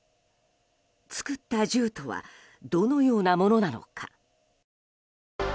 作った銃とはどのようなものなのか？